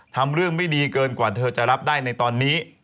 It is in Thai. ทำเรื่องไม่ดีเกินกว่าเธอจะรับได้ในตอนนี้